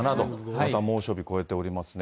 また猛暑日超えておりますね。